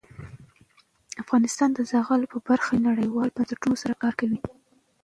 افغانستان د زغال په برخه کې نړیوالو بنسټونو سره کار کوي.